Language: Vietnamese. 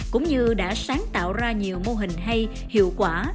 cũng như đã sáng tạo ra nhiều mô hình hay hiệu quả